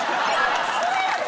それやで？